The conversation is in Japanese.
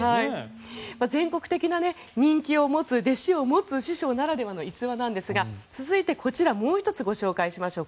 全国的な人気を持つ弟子を持つ師匠ならではの逸話ですが続いてこちらもう１つご紹介しましょう。